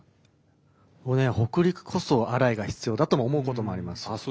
もうね北陸こそアライが必要だとも思うこともあります。